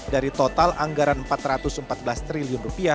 dari total anggaran rp empat ratus empat belas triliun